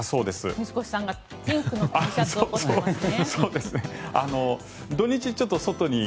水越さんがピンクのＴシャツを干してますね。